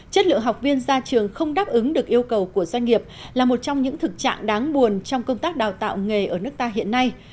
chất lượng học viên ra trường không đáp ứng được yêu cầu của doanh nghiệp là một trong những thực trạng đáng buồn trong công tác đào tạo nghề ở nước ta hiện nay